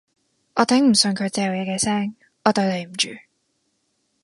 我頂唔順佢嚼嘢嘅聲，我對你唔住